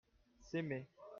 s'aimer.